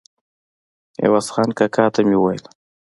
عوض خان کاکا ته مې وویل.